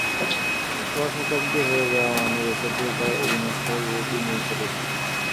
সোয়া শতাব্দী হয়ে যাওয়া মানে রেকর্ডটি প্রায় অবিনশ্বর রূপই নিয়ে ফেলেছে।